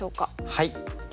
はい。